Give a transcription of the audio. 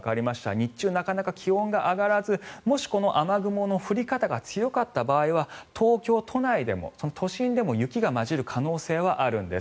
日中、なかなか気温が上がらずもし、この雨雲の降り方が強かった場合は東京都内でも都心でも雪が交じる可能性はあるんです。